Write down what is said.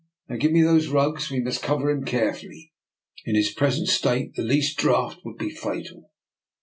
Now give me those rugs; we must cover him carefully. In his present state the least draught would be fatal.